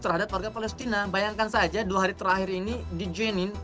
terhadap warga palestina bayangkan saja dua hari terakhir ini di jenin